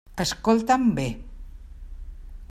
Escolta'm bé.